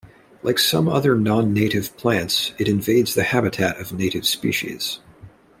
Like some other non-native plants, it invades the habitat of native species.